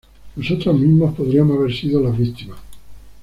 Nosotros mismos podríamos haber sido las víctimas.